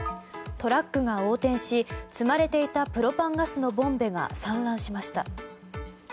トラックが横転し積まれていたプロパンガスのボンベが散乱しました。